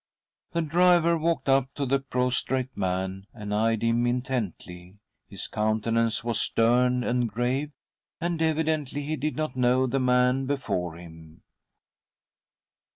' The driver walked up to the prostrate man and eyed him intently ;: his countenance was stern and grave, and^ evidently he did not know the man before him.